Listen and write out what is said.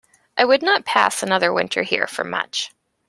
I would not pass another winter here for much.